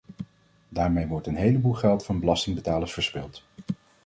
Daarmee wordt een heleboel geld van belastingbetalers verspild.